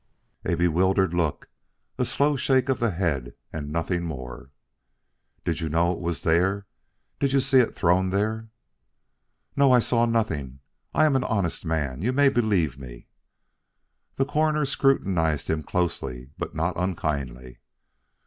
A bewildered look, a slow shake of the head and nothing more. "Did you know it was there? Did you see it thrown there?" "No, I saw nothing. I am an honest man. You may believe me." The Coroner scrutinized him closely but not unkindly.